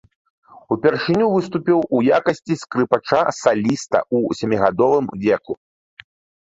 Упершыню выступіў у якасці скрыпача-саліста ў сямігадовым веку.